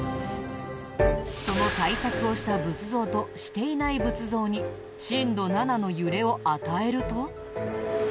その対策をした仏像としていない仏像に震度７の揺れを与えると。